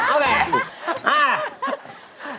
เอาแหละ